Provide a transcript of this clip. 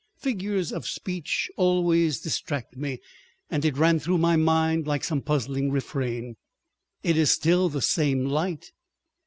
Figures of speech always distract me, and it ran through my mind like some puzzling refrain, "It is still the same light.